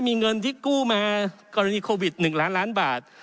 มีเงินที่กู้มากรณีโควิด๑ล้านล้านบาท